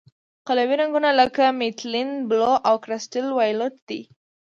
قلوي رنګونه لکه میتیلین بلو او کرسټل وایولېټ دي.